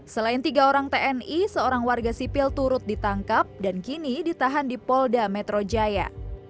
selain tiga orang tni seorang warga sipil turut ditangkap dan kini ditahan di polda metro jaya